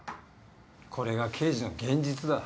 これが刑事の現実だ。